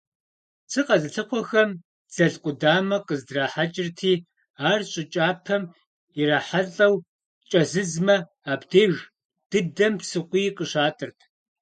Псы къэзылъыхъуэхэм дзэл къудамэ къыздрахьэкӀырти, ар щӀы кӀапэм ирахьэлӀэу кӀэзызмэ, абдеж дыдэм псыкъуий къыщатӀырт.